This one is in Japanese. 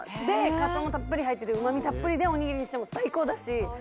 でかつおもたっぷり入っててうまみたっぷりでおにぎりにしても最高だし。